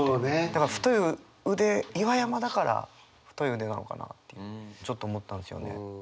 岩山だから「太い腕」なのかなってちょっと思ったんですよね。